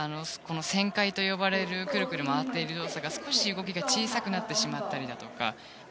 旋回と呼ばれるくるくる回っている動作が少し動きが小さくなってしまったりだとか